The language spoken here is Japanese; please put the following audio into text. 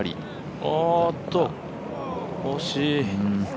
おっと、惜しい。